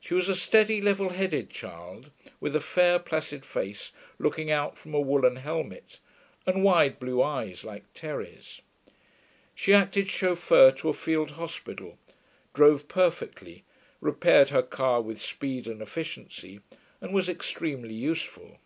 She was a steady, level headed child, with a fair placid face looking out from a woollen helmet, and wide blue eyes like Terry's. She acted chauffeur to a field hospital, drove perfectly, repaired her car with speed and efficiency, and was extremely useful.